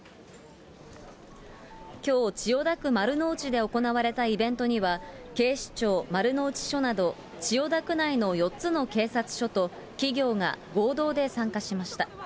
きょう、千代田区丸の内で行われたイベントには、警視庁丸の内署など、千代田区内の４つの警察署と、企業が合同で参加しました。